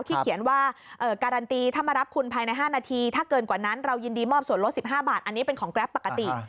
เขียนว่าการันตีถ้ามารับคุณภายใน๕นาทีถ้าเกินกว่านั้นเรายินดีมอบส่วนลด๑๕บาทอันนี้เป็นของแกรปปกติ